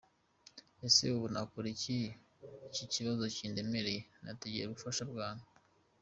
Ese ubu nakora iki kibazo kindemereye? Ntegereje ubufasha bwanyu.